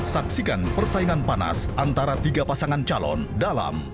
saksikan persaingan panas antara tiga pasangan calon dalam